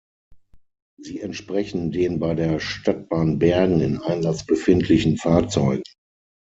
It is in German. Sie entsprechen den bei der Stadtbahn Bergen in Einsatz befindlichen Fahrzeugen.